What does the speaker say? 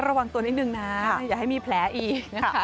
ระวังตัวนิดนึงนะอย่าให้มีแผลอีก